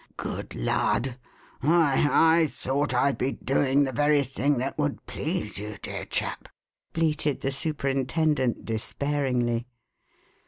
"Good lud! Why, I thought I'd be doing the very thing that would please you, dear chap," bleated the superintendent, despairingly.